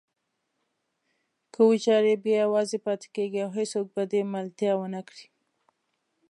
که وژاړې بیا یوازې پاتې کېږې او هېڅوک به دې ملتیا ونه کړي.